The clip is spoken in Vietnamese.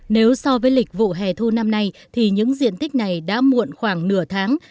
nếu so với lịch vụ hè thu năm nay thì những diện tích này đã muộn khoảng nửa tháng